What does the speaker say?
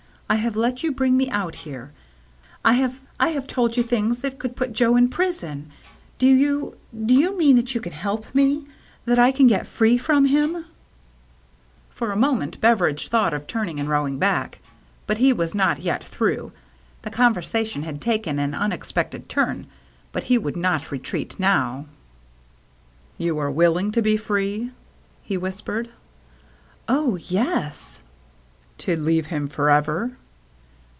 I have let you bring me out here; I have — I have told you things that could put Joe in prison. Do you — do you mean that you can help me — that I can get free from him ?" For a moment Beveridge thought of turn ing and rowing back. But he was not yet through. The conversation had taken an unexpected turn, but he would not retreat now. 1 62 THE MERRT ANNE " You are willing to be free ?" he whispered. "Oh — yes." " To leave him forever